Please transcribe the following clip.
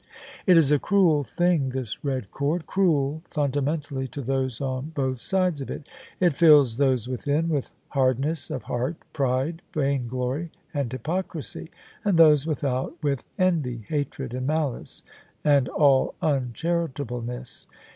It is a cruel thing, this red cord— cruel fundamentally to those on both sides of it. It fills those within with hardness of heart, pride, vainglory and hjrpocrisy: and those without with envy, hatred and malice and all uncharitableness.